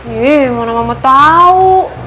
gimana mamah tau